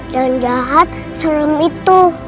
jangan jahat serem itu